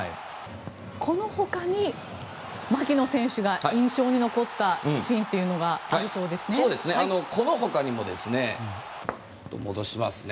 このほかに槙野選手が印象に残ったシーンというのがあるそうですね。